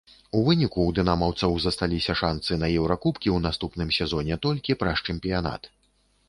У выніку ў дынамаўцаў засталіся шанцы на еўракубкі ў наступным сезоне толькі праз чэмпіянат.